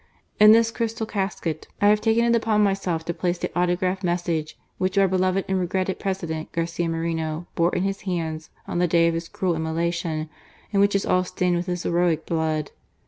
In this crystal casket I have taken it upon myself to place the autograph message which our beloved and regretted President, Garcia Moreno, bore in his hands on the day of his cruel immolation, and which is all stained with his heroic blood.